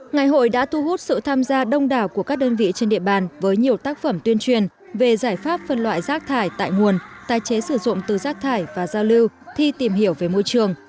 ngày hội đã thu hút sự tham gia đông đảo của các đơn vị trên địa bàn với nhiều tác phẩm tuyên truyền về giải pháp phân loại rác thải tại nguồn tái chế sử dụng từ rác thải và giao lưu thi tìm hiểu về môi trường